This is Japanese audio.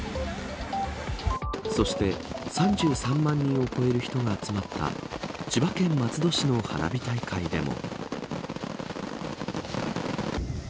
そして３３万人を超える人が集まった千葉県松戸市の花火大会でも。